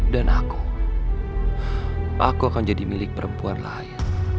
dan aku aku akan jadi milik perempuan lain